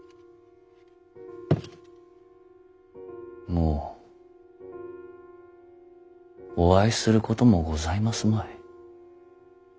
もうお会いすることもございますまい。